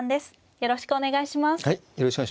よろしくお願いします。